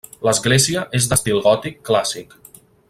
L'església és d'estil gòtic clàssic.